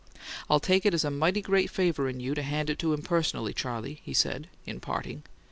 "I'll take it as a mighty great favour in you to hand it to him personally, Charley," he said, in parting.